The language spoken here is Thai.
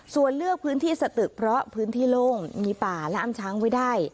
ส่วนเลือกพื้นที่สตึกเพราะพื้นที่โล่งมีป่าและอ้ำช้างไว้ได้